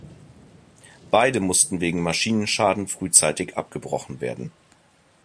Beide mussten wegen Maschinenschaden frühzeitig abgebrochen werden.